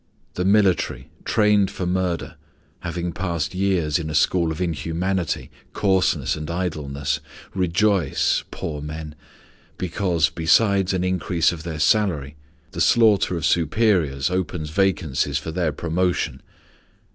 The military, trained for murder, having passed years in a school of inhumanity, coarseness, and idleness, rejoice poor men because, besides an increase of their salary, the slaughter of superiors opens vacancies for their promotion.